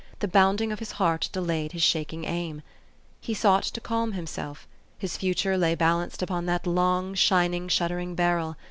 The bounding of his heart de layed his shaking aim. Pie sought to calm himself. His future lay bal anced upon that long, shining, shuddering barrel.